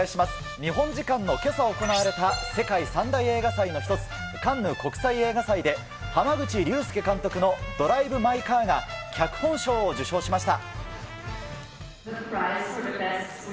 日本時間のけさ行われた世界３大映画祭の一つ、カンヌ国際映画祭で濱口竜介監督のドライブマイカーが脚本賞を受賞しました。